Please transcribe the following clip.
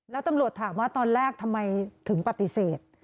แล้วตำรวจถามว่าตอนแรกทำไมถึงปฏิเสธ